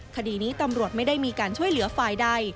คดีนี้ตำรวจไม่ได้มีการช่วยเหลือฝ่ายใด